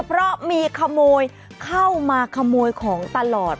เพราะมีขโมยเข้ามาขโมยของตลอด